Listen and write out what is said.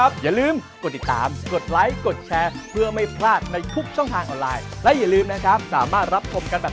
สวัสดีครับ